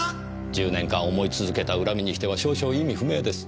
１０年間思い続けた恨みにしては少々意味不明です。